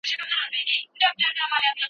ملي سرود بې درناوي نه اورېدل کېږي.